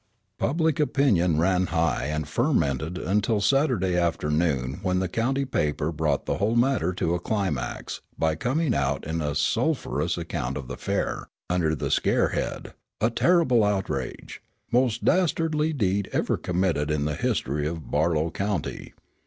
Public opinion ran high and fermented until Saturday afternoon when the county paper brought the whole matter to a climax by coming out in a sulphurous account of the affair, under the scarehead: A TERRIBLE OUTRAGE! MOST DASTARDLY DEED EVER COMMITTED IN THE HISTORY OF BARLOW COUNTY.